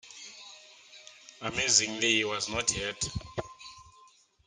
Amazingly, he was not hurt.